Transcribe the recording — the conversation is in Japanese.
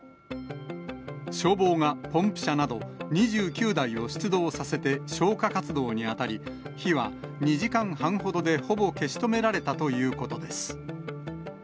消防がポンプ車など２９台を出動させて消火活動に当たり、火は２時間半ほどで、ほぼ消し止められたということです。